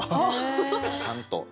ちゃんと。